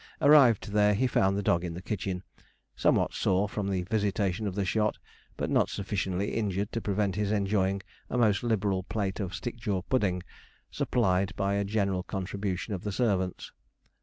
Arrived there, he found the dog in the kitchen, somewhat sore from the visitation of the shot, but not sufficiently injured to prevent his enjoying a most liberal plate of stick jaw pudding supplied by a general contribution of the servants.